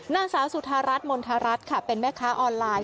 นางสาวสุธารัฐมณฑรัฐค่ะเป็นแม่ค้าออนไลน์